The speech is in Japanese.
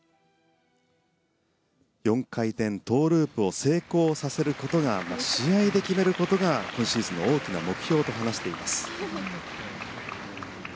４回転トウループを成功させることが試合で決めることが今シーズンの大きな目標と話しています。